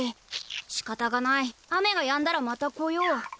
しかたがない雨がやんだらまた来よう。